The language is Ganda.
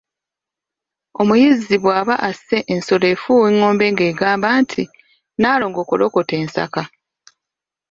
Omuyizzi bw'aba asse ensolo afuuwa engombe ng'egamba nti 'Nnaalongo kolokota ensaka'.